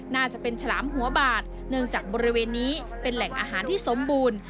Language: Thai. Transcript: น่าจะเป็นฉลามหัวบาดเนื่องจากบริเวณนี้เป็นแหล่งอาหารที่สมบูรณ์